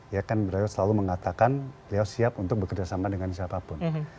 ya kan beliau selalu mengatakan beliau siap untuk bekerjasama dengan siapapun